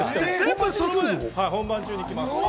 本番中に来ます。